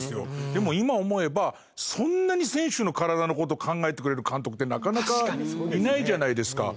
でも今思えばそんなに選手の体の事考えてくれる監督ってなかなかいないじゃないですか。